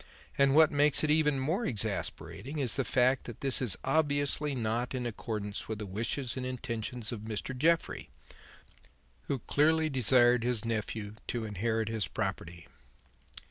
And what makes it even more exasperating is the fact that this is obviously not in accordance with the wishes and intentions of Mr. Jeffrey, who clearly desired his nephew to inherit his property."